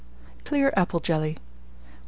CLEAR APPLE JELLY. 1396.